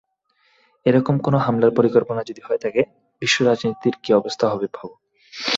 এরকম কোনো হামলার পরিকল্পনা যদি হয়ে থাকে বিশ্ব রাজনীতির কী অবস্থা হবে ভাবো।